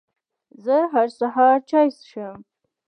زه هر سهار چای څښم